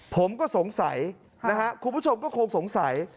ผมก็สงสัยนะฮะคุณผู้ชมก็คงสงสัย